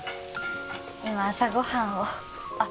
今朝ご飯をあっ